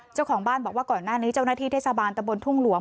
เจ้าของบ้านบอกว่าก่อนหน้านี้เจ้าหน้าที่เทศบาลตะบนทุ่งหลวง